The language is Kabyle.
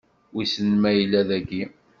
Wissen ma yella dagi?